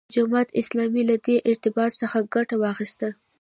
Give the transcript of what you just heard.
جماعت اسلامي له دې ارتباط څخه ګټه واخیسته.